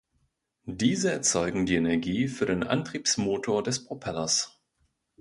Diese erzeugen die Energie für den Antriebsmotor des Propellers.